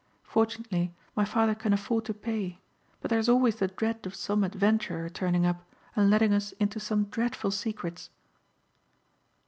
Fortunately my father can afford to pay but there is always the dread of some adventurer turning up and letting us into some dreadful secrets."